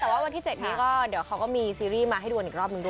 แต่ว่าวันที่๗นี้ก็เดี๋ยวเขาก็มีซีรีส์มาให้ดูกันอีกรอบนึงด้วย